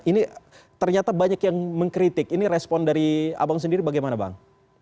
ini ternyata banyak yang mengkritik ini respon dari abang sendiri bagaimana bang